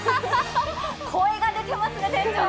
声が出てますね、店長。